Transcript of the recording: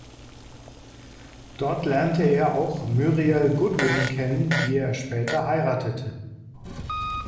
Dort lernte er auch Muriel Goodwin kennen, die er später heiratete.